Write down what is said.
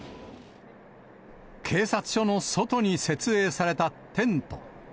警察署の外に設営されたテント。